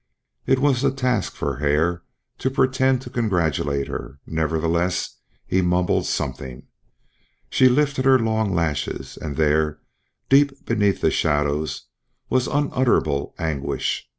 It was a task for Hare to pretend to congratulate her; nevertheless he mumbled something. She lifted her long lashes, and there, deep beneath the shadows, was unutterable anguish.